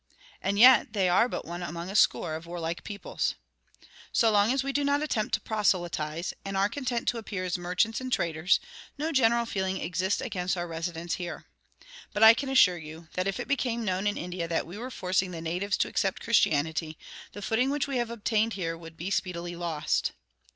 And yet they are but one among a score of warlike peoples. "So long as we do not attempt to proselytize, and are content to appear as merchants and traders, no general feeling exists against our residence here. But I can assure you that, if it became known in India that we were forcing the natives to accept Christianity, the footing which we have obtained here would be speedily lost.